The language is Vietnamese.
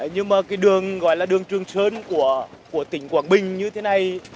nhưng mà cái đường gọi là đường trường sơn của tỉnh quảng bình như thế này